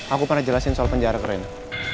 aku pada jelasin soal penjara ke reina